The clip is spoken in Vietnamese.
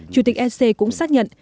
chủ tịch sc cũng xác nhận